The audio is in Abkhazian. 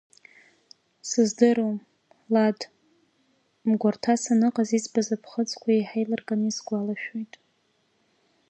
Сыздыруам, Лад, мгәарҭа саныҟаз избаз аԥхыӡқәа еиҳа еилырганы исгәалашәоит!